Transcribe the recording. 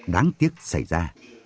đáng tiếc xảy ra